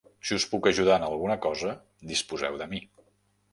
Si us puc ajudar en alguna cosa, disposeu de mi.